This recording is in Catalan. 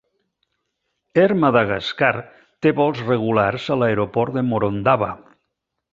Air Madagascar té vols regulars a l'aeroport de Morondava.